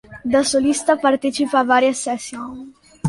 Da solista partecipa a varie session.